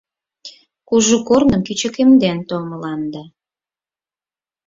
Кужу корным кӱчыкемден толмыланда